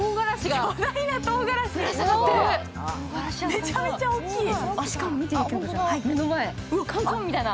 めちゃめちゃ大きい。